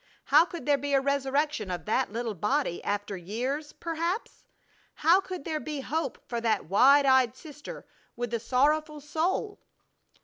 How could there be a resurrection of that little body after years, perhaps? How could there be hope for that wide eyed sister with the sorrowful soul?